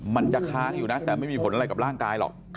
มันจะค้างอยู่นะแต่ไม่มีผลอะไรกับร่างกายหรอก